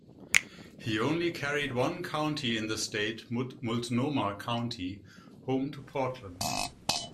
He only carried one county in the state, Multnomah County, home to Portland.